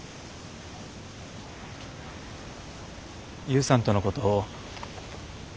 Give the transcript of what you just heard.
悠さんとのこと